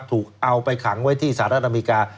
ถูกเอาไปขังไว้ที่สหรัฐอเมริกา